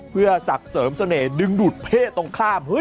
เพื่อศักดิ์เสริมเสน่ห์ดึงดุท่์เพ่ตรงข้ามเฮ้ย